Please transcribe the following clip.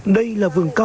đây là vườn cao